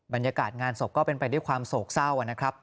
บรรยากาศงานศพก็เป็นไปด้วยความโศกเศร้านะครับ